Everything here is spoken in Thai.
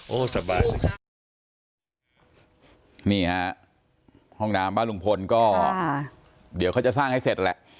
สบายนี่ฮะห้องน้ำบ้านลุงพลก็เดี๋ยวเขาจะสร้างให้เสร็จแหละ